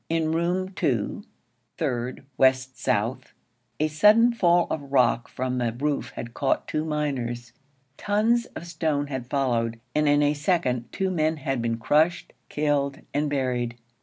In Room 2, third west south, a sudden fall of rock from the roof had caught two miners. Tons of stone had followed, and in a second, two men had been crushed, killed, and buried.